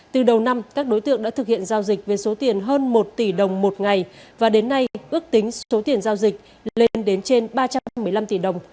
từ đầu năm các đối tượng đã thực hiện giao dịch với số tiền hơn một tỷ đồng một ngày và đến nay ước tính số tiền giao dịch lên đến trên ba trăm một mươi năm tỷ đồng